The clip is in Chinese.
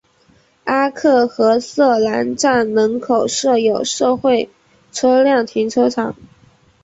阿克和瑟南站门口设有社会车辆停车场。